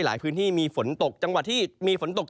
หลายพื้นที่มีฝนตกจังหวัดที่มีฝนตก